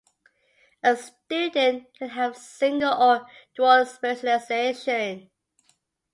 A student can have single or dual specialization.